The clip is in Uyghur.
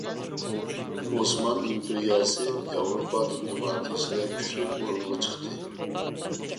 ئوسمان ئىمپېرىيەسى ياۋروپا دىپلوماتىيەسىدە كۈچلۈك ئورۇنغا چىقتى.